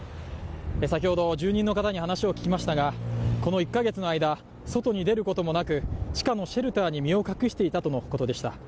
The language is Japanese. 先ほど、住人の方に話を聞きましたがこの１カ月の間外に出ることもなく地下のシェルターに身を隠していたとのことでした。